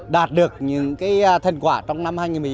đạt được những cái thần quả trong năm hai nghìn một mươi chín